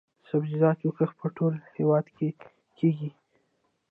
د سبزیجاتو کښت په ټول هیواد کې کیږي